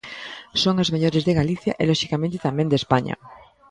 Son as mellores de Galicia e loxicamente tamén de España.